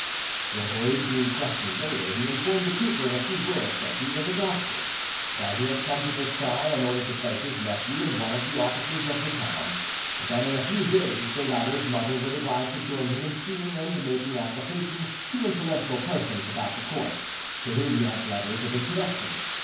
To avoid being questioned later, he informed the cooper in a few words that he was a doctor; that he had come to Versailles in order to place his nephew in one of the offices of the town; that in a few days the latter's mother would arrive to join him in seeing and making application to influential persons about the court, to whom he had letters of introduction.